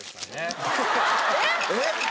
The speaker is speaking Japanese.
えっ？